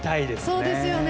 そうですよね。